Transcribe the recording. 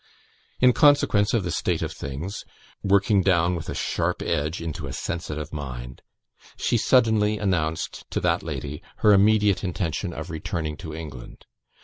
In consequence of this state of things, working down with sharp edge into a sensitive mind, she suddenly announced to that lady her immediate intention of returning to England.